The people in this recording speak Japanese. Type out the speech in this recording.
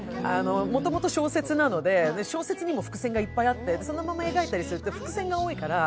もともと小説なので、小説にも伏線がいっぱいあって、そのまま描いたりすると、伏線が多いから。